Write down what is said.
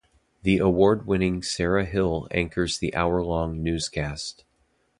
The award-winning Sarah Hill anchors the hour-long newscast.